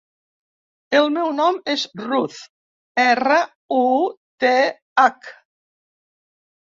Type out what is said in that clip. El meu nom és Ruth: erra, u, te, hac.